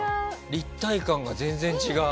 「立体感が全然違う」